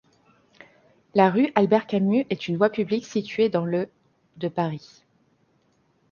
La rue Albert-Camus est une voie publique située dans le de Paris.